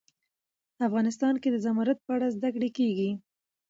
افغانستان کې د زمرد په اړه زده کړه کېږي.